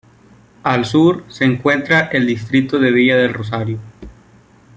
Al sur se encuentra el distrito de Villa del Rosario.